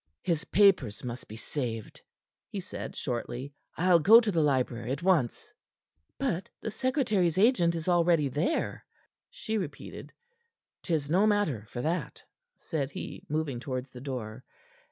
"His papers must be saved," he said shortly. "I'll go to the library at once." "But the secretary's agent is there already," she repeated. "'Tis no matter for that," said he, moving towards the door.